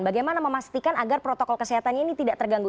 bagaimana memastikan agar protokol kesehatannya ini tidak terganggu